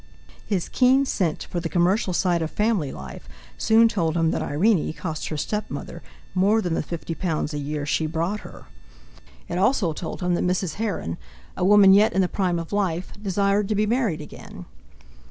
His keen scent for the commercial side of family life soon told him that Irene cost her stepmother more than the fifty pounds a year she brought her; it also told him that Mrs. Heron, a woman yet in the prime of life, desired to be married again.